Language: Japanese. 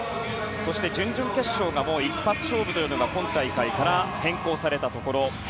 そして、準々決勝が一発勝負というのが今大会から変更されたところ。